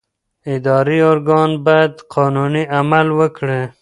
اداري ارګان باید قانوني عمل وکړي.